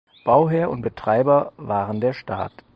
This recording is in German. Bauherr und Betreiber waren der Staat.